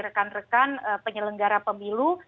rekan rekan penyelenggara pemilu